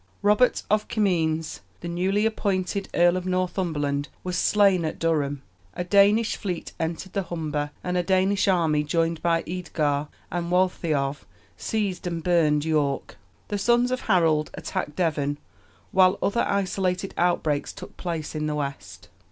Robert of Comines, the newly appointed Earl of Northumberland, was slain at Durham; a Danish fleet entered the Humber, and a Danish army, joined by Eadgar and Waltheof, seized and burned York. The sons of Harold attacked Devon, while other isolated outbreaks took place in the west.